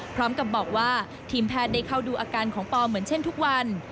พร้อมกับบอกว่าทีมแพทย์ได้เข้าดูอาการของปอเหมือนเช่นทุกวัน